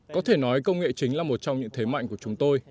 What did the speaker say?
có thể nói công nghệ chính là một trong những thế mạnh của chúng tôi